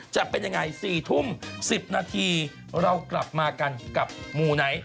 จะเป็นยังไง๔ทุ่ม๑๐นาทีเรากลับมากันกับมูไนท์